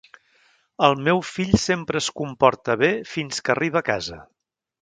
El meu fill sempre es comporta bé fins que arriba a casa.